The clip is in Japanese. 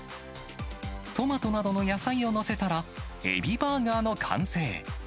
トマトなどの野菜を載せたら、エビバーガーの完成。